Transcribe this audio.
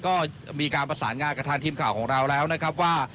ก็มีการประสานงานกับทางทีมข่าวของเราแล้วนะครับว่า